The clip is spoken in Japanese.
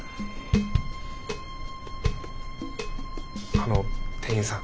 あの店員さん。